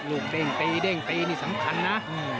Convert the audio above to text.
เด้งตีเด้งตีนี่สำคัญนะ